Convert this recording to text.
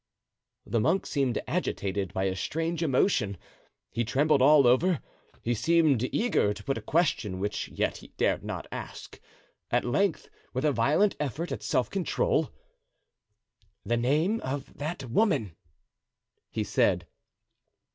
The monk seemed agitated by a strange emotion; he trembled all over; he seemed eager to put a question which yet he dared not ask. At length, with a violent effort at self control: "The name of that woman?" he said.